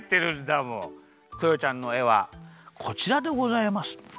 クヨちゃんのえはこちらでございます。